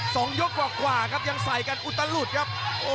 สองยกกว่ากว่าครับยังใส่กันอุตลุดครับ